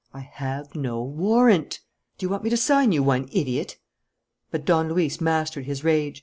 "I have no warrant." "Do you want me to sign you one, idiot?" But Don Luis mastered his rage.